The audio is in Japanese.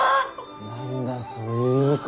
何だそういう意味か。